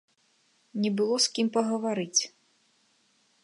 Не было з кім пагаварыць!